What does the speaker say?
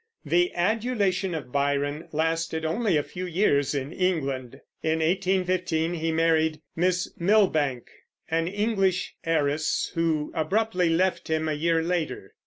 The adulation of Byron lasted only a few years in England. In 1815 he married Miss Milbanke, an English heiress, who abruptly left him a year later.